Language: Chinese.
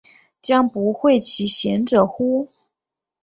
将不讳其嫌者乎？